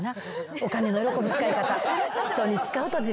お金の喜ぶ使い方。